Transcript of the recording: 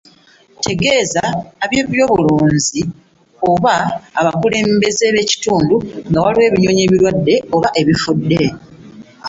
Tegeeza ab’ebyobulunzi oba abakulembeze b’ekitundu nga waliwo ebinyonyi ebirwadde oba ebifudde.